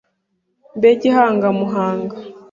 Mbe Gihanga muhanga